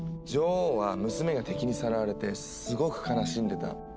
女王は娘が敵にさらわれてすごく悲しんでた。